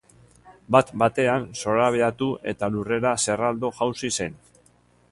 Bat batean zorabiatu eta lurrera zerraldo jausi zen.